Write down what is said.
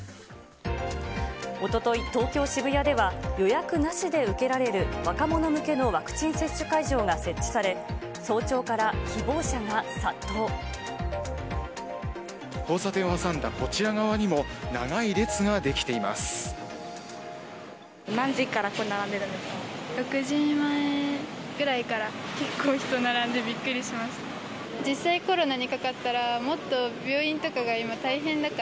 おととい、東京・渋谷では、予約なしで受けられる若者向けのワクチン接種会場が設置され、交差点を挟んだこちら側にも、何時からここ、並んでるんですか？